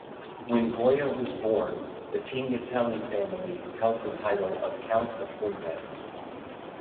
When Goya was born, the Pignatelly family held the title of Count of Fuentes.